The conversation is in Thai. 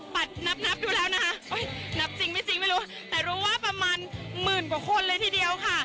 นับนับดูแล้วนะคะนับจริงไม่จริงไม่รู้แต่รู้ว่าประมาณหมื่นกว่าคนเลยทีเดียวค่ะ